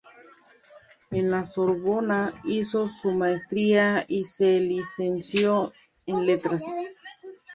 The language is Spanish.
En la Sorbona hizo su maestría y se licenció en letras.